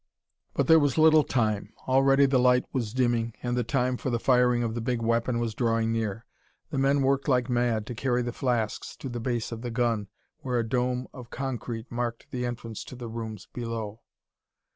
But there was little time; already the light was dimming, and the time for the firing of the big weapon was drawing near. The men worked like mad to carry the flasks to the base of the gun, where a dome of concrete marked the entrance to the rooms below.